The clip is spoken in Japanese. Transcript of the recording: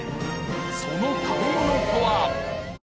その食べ物とは？